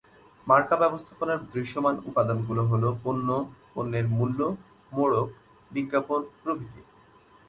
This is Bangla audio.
মার্কা ব্যবস্থাপনার দৃশ্যমান উপাদানগুলো হলো পণ্য, পণ্যের মূল্য, মোড়ক, বিজ্ঞাপন প্রভৃতি।